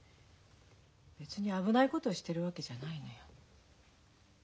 別に危ないことしてるわけじゃないのよ。